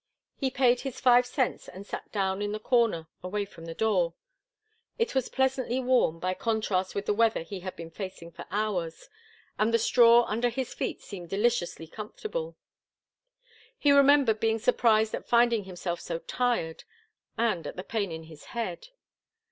He paid his five cents and sat down in the corner away from the door. It was pleasantly warm by contrast with the weather he had been facing for hours, and the straw under his feet seemed deliciously comfortable. He remembered being surprised at finding himself so tired, and at the pain in his head.